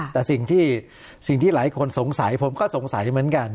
แต่สิ่งที่สิ่งที่หลายคนสงสัยผมก็สงสัยเหมือนกัน